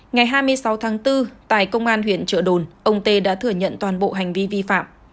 ngày hai mươi sáu tháng bốn tại công an huyện trợ đồn ông tê đã thừa nhận toàn bộ hành vi vi phạm